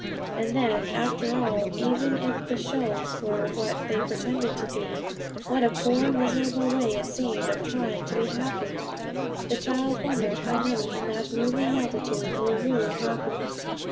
And then, after all, even if the shows were what they pretended to be, what a poor miserable way it seemed of trying to be happy! The child wondered how many in that moving multitude were really happy.